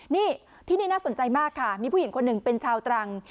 นี่ที่นี่น่าสนใจมากค่ะมีผู้หญิงคนหนึ่งเป็นชาวตรัง